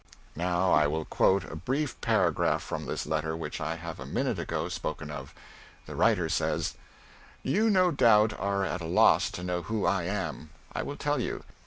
_" Now I will quote a brief paragraph from this letter which I have a minute ago spoken of. The writer says: You no doubt are at a loss to know who I am. I will tell you.